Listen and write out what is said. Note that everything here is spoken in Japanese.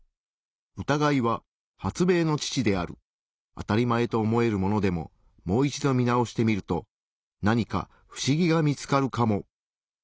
あたりまえと思えるものでももう一度見直してみると何か不思議が見つかるかも。